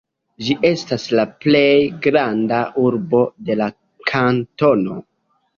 Ĝi estas la plej granda urbo de la kantono.